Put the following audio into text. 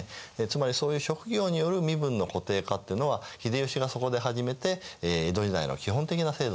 つまりそういう職業による身分の固定化っていうのは秀吉がそこで始めて江戸時代の基本的な制度になるわけなんですね。